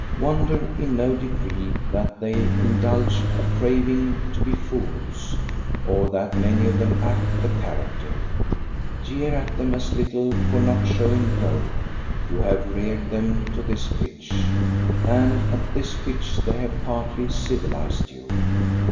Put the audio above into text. Wonder in no degree that they indulge a craving to be fools, or that many of them act the character. Jeer at them as little for not showing growth. You have reared them to this pitch, and at this pitch they have partly civilized you.